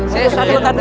saya sudah tahu